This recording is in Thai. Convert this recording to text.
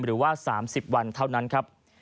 หรือว่า๓๐วันเท่านั้นครับ